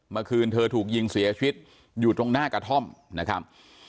เมื่อคืนเธอถูกยิงเสียชีวิตอยู่ตรงหน้ากระท่อมนะครับ